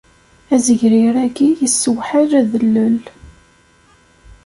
Azegrir-agi yessewḥal adellel.